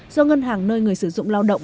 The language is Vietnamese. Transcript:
do ngân hàng nơi người sử dụng lao động